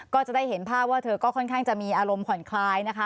ก็จะได้เห็นภาพว่าเธอก็ค่อนข้างจะมีอารมณ์ผ่อนคลายนะคะ